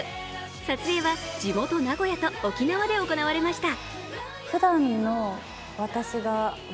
撮影は地元・名古屋と沖縄で行われました。